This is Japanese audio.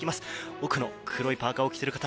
奥の黒いパーカを着ている方